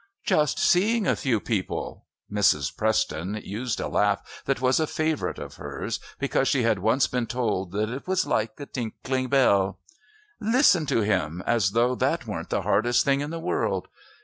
"Just seeing a few people!" Mrs. Preston used a laugh that was a favourite of hers because she had once been told that it was like "a tinkling bell." "Listen to him! As though that weren't the hardest thing in the world.